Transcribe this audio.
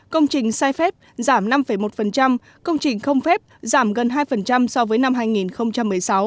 công trình sai phép giảm năm một công trình không phép giảm gần hai so với năm hai nghìn một mươi sáu